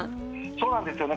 そうなんですよね。